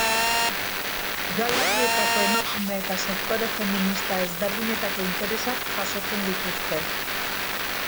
Udalerrietako emakume eta sektore feminista ezberdinetako interesak jasotzen dituzte.